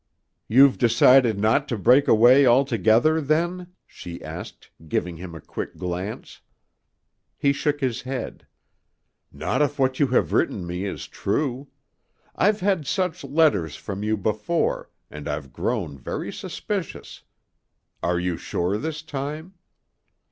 "You've decided not to break away altogether, then?" she asked, giving him a quick glance. He shook his head. "Not if what you have written me is true. I've had such letters from you before and I've grown very suspicious. Are you sure this time?"